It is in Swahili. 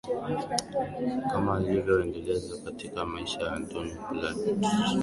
kama ilivyoelezwa katika Maisha ya Antony ya Plutarch